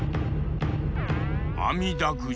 「あみだくじ」